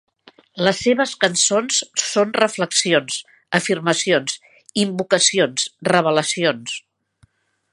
Les seves cançons són reflexions, afirmacions, invocacions, revelacions.